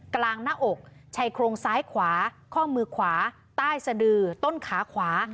กลางหน้าอกชายโครงซ้ายขวาข้อมือขวาใต้สะดือต้นขาขวา